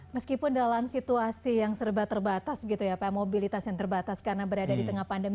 meskipun dalam situasi yang serba terbatas gitu ya pak mobilitas yang terbatas karena berada di tengah pandemi